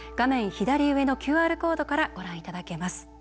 左上のＱＲコードからご覧いただけます。